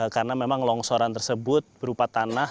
karena memang longsoran tersebut berupa tanah